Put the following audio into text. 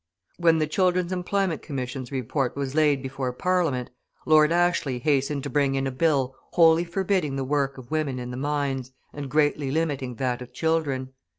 When the Children's Employment Commission's Report was laid before Parliament, Lord Ashley hastened to bring in a bill wholly forbidding the work of women in the mines, and greatly limiting that of children.